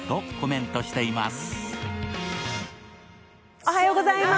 おはようございます。